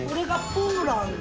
ポーランド？